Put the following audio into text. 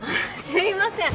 すいません